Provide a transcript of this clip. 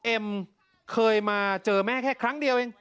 เอ็มเคยมาเจอแม่แค่ครั้งเดียวเอง